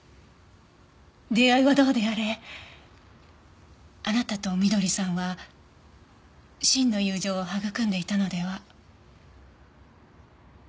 出会いはどうであれあなたと翠さんは真の友情を育んでいたのでは？